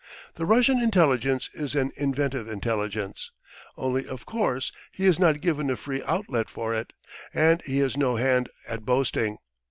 The Russian intelligence is an inventive intelligence. Only of course he is not given a free outlet for it, and he is no hand at boasting.